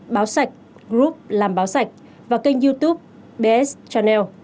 báo sạch group làm báo sạch và kênh youtube bs chanel